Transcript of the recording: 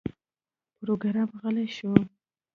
پروګرامر غلی شو